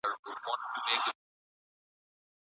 که د ايلاء مده پوره سي او هغه ځان حانث کړی نه وي.